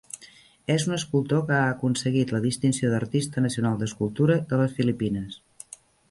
És un escultor que ha aconseguit la distinció d'Artista Nacional d'Escultura de les Filipines.